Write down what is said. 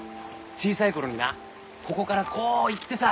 小さい頃になここからこう行ってさ。